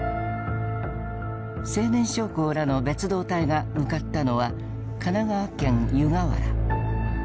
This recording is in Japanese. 青年将校らの別動隊が向かったのは神奈川県湯河原。